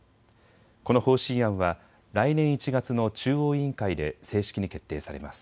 この方針案は来年１月の中央委員会で正式に決定されます。